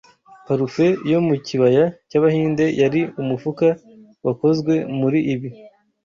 Parufe yo mu kibaya cy'Abahinde yari umufuka wakozwe muri ibi